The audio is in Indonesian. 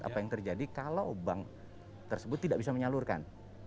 apa yang terjadi kalau bank tersebut tidak bisa menyalurkan